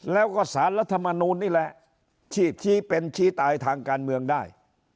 แล้วก็สารรัฐมนูลนี่แหละชี้เป็นชี้ตายทางการเมืองได้